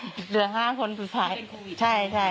ใช่ค่ะตอนนี้เหลือเหลือห้าคนผิดภัยใช่ใช่ล้อสุดท้าย